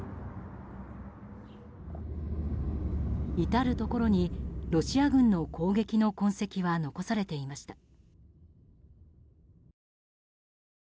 至るところにロシア軍の攻撃の痕跡は残されていました。